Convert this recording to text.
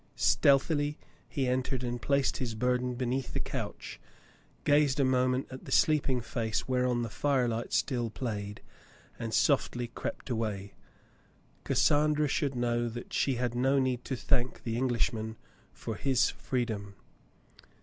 Stealthily he entered and placed his burden beneath 70 The Mountain Girl the couch, gazed a moment at the sleeping face whereon the firelight still played, and softly crept away. Cas sandra should know that she had no need to thank the Englishman for his freedom.